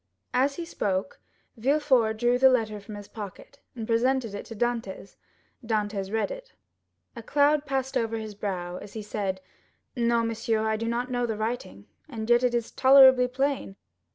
As he spoke, Villefort drew the letter from his pocket, and presented it to Dantès. Dantès read it. A cloud passed over his brow as he said: "No, monsieur, I do not know the writing, and yet it is tolerably plain.